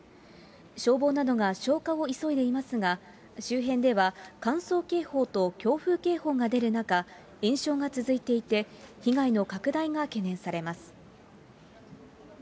消防などが消火を急いでいますが、周辺では、乾燥警報と強風警報が出る中、延焼が続いていて、被害の拡大が懸念されます。